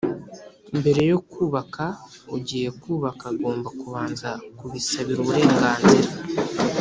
Mbere yo kubaka ugiye kubaka agomba kubanza kubisabira uburenganzira